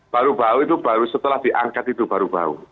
baru bau itu baru setelah diangkat itu baru bau